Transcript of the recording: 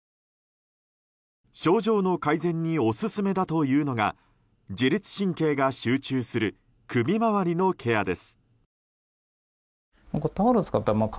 症状の改善にオススメだというのが自律神経が集中する首回りのケアです。